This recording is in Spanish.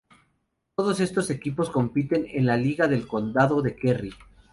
Todos estos equipos compiten en la liga del condado de Kerry.